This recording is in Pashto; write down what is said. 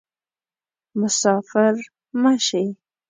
مسافر مه شي